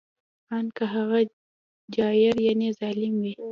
ان که هغه جائر یعنې ظالم وي